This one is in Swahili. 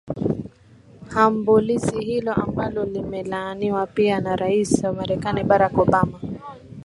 hambulizi hilo ambalo limelaaniwa pia na rais wa marekani barack obama